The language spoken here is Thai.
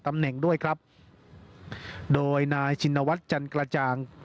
ตำแหน่งด้วยครับโดยนายชินวัตรจันตร์กระจ่าง